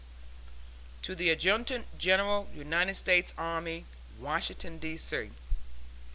TO THE ADJUTANT GENERAL, UNITED STATES ARMY. Washington, D. C.